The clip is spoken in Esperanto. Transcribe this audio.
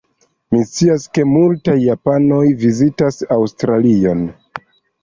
Mi scias ke multaj japanoj vizitas Aŭstralion.